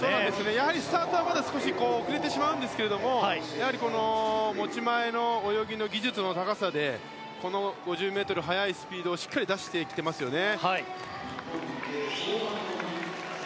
やはりスタートはまだ少し遅れてしまうんですが持ち前の泳ぎの技術の高さでこの５０ｍ、速いスピードをしっかり出してきていますよね。